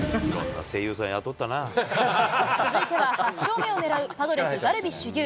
続いては８勝目を狙うパドレス、ダルビッシュ有。